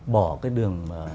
bỏ cái đường